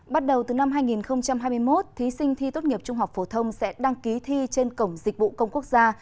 bắt đầu từ năm hai nghìn hai mươi một thí sinh thi tốt nghiệp trung học phổ thông sẽ đăng ký thi trên cổng dịch vụ công quốc gia